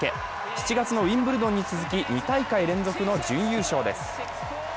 ７月のウィンブルドンに続き２大会連続の準優勝です。